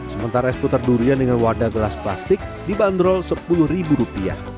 sementara es putar durian dengan wadah gelas plastik dibanderol sepuluh rupiah